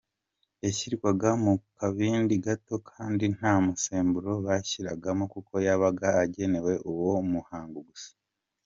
Yashyirwaga mu kabindi gato kandi nta musemburo bashyiragamo kuko yabaga agenewe uwo muhango gusa.